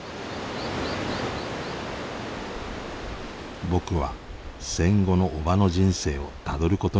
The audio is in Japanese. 僕は戦後のおばの人生をたどることにしました。